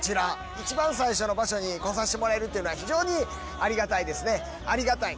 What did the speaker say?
一番最初の場所に来させてもらえるっていうのは非常にありがたいですねありがたい。